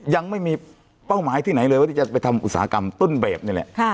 ยังไม่มีเป้าหมายที่ไหนเลยว่าที่จะไปทำอุตสาหกรรมต้นแบบนี่แหละ